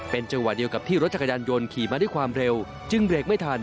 โปรดประตูล้านข้ามเหลว